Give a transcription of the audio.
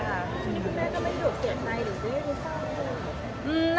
คุณแม่ก็ไม่หยุดเสียใจหรือเป็นเรื่องข้าวอะไรอย่างนี้